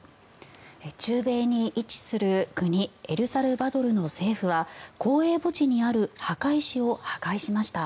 中米に位置する国エルサルバドルの政府は公営墓地にある墓石を破壊しました。